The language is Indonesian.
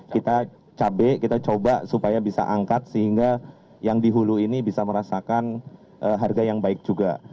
kita cabai kita coba supaya bisa angkat sehingga yang di hulu ini bisa merasakan harga yang baik juga